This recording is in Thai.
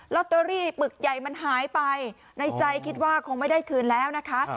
ลอตเตอรี่ปึกใหญ่มันหายไปในใจคิดว่าคงไม่ได้คืนแล้วนะคะ